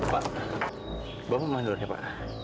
pak bawa mandulnya pak